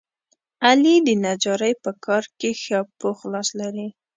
علي د نجارۍ په کار کې ښه پوخ لاس لري.